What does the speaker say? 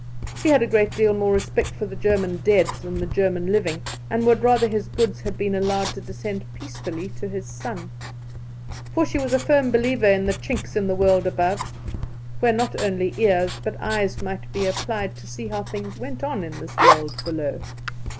She had a great deal more respect for the German dead than the German living, and would rather his goods had been allowed to descend peacefully to his son. For she was a firm believer in the chinks in the world above, where not only ears, but eyes might be applied to see how things went on in this world below.